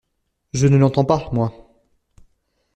Je ne l’entends pas, moi.